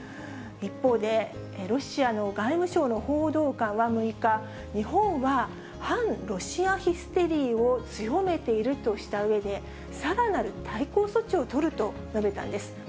一方で、ロシアの外務省の報道官は６日、日本は反ロシアヒステリーを強めているとしたうえで、さらなる対抗措置を取ると述べたんです。